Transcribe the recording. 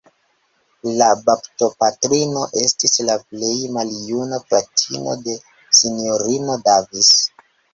La baptopatrino estis la plej maljuna fratino de Sinjorino Davis.